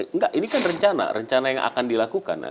enggak ini kan rencana rencana yang akan dilakukan